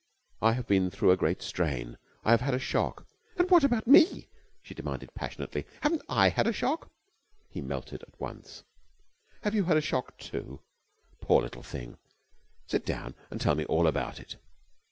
I have been through a great strain. I have had a shock...." "And what about me?" she demanded passionately. "Haven't I had a shock?" He melted at once. "Have you had a shock, too? Poor little thing! Sit down and tell me all about it."